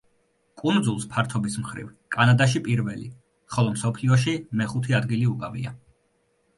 კუნძულს ფართობის მხრივ კანადაში პირველი, ხოლო მსოფლიოში მეხუთე ადგილი უკავია.